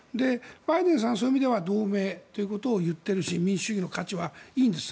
バイデンさんはそういう意味では同盟ということを言っているし民主主義の価値はいいんです。